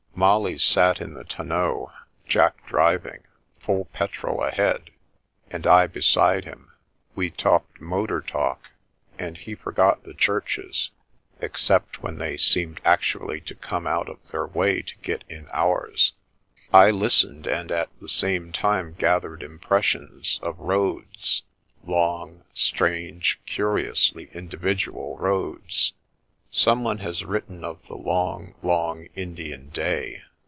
Molly sat in the tonneau, Jack driving, full petrol ahead, and I be side him. We talked motor talk, and he forgot the churches, except when they seemed actually to come out of their way to get in ours. I listened, and at the same time gathered impressions of roads — long, strange, curiously individual roads. Someone has written of the " long, long Indian day."